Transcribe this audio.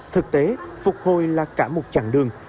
thực tế phục hồi là cả một chặng đường